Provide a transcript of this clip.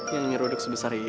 yang nyeruduk sebesar ini